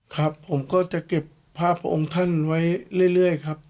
ครับผมก็จะเก็บภาพพระองค์ท่านไว้เรื่อยครับ